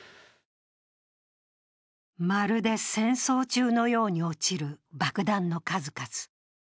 まるで戦争中のように落ちる爆弾の数々。